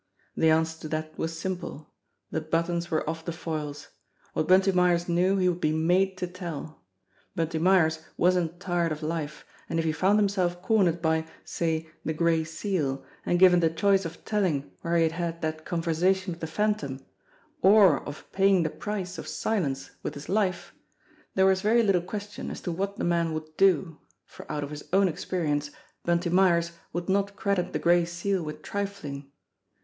The answer to that was simple. The buttons were off the foils. What Bunty Myers knew he would be made to tell. Bunty Myers wasn't tired of life, and if he found himself cornered by, say, the Gray Seal, and given the choice of telling where he had had that conversation with the Phantom or of paying the price of silence with his life, there was very little question as to what the man would do, for out of his own experience 222 JIMMIE DALE AND THE PHANTOM CLUE Bunty Myers would not credit the Gray Seal with trifling!